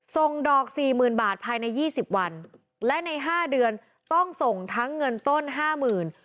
ส่งดอก๔๐๐๐๐บาทภายใน๒๐วันและใน๕เดือนต้องส่งทั้งเงินต้น๕๐๐๐๐